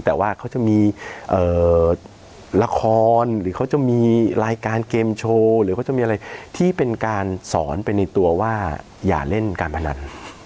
แต่ว่าเขาจะมีละครหรือเขาจะมีรายการเกมโชว์หรือเขาจะมีอะไรที่เป็นการสอนไปในตัวว่าอย่าเล่นการพนัน